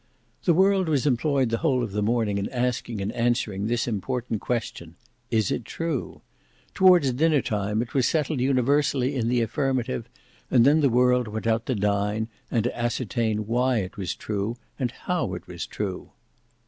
The world was employed the whole of the morning in asking and answering this important question "Is it true?" Towards dinner time, it was settled universally in the affirmative, and then the world went out to dine and to ascertain why it was true and how it was true.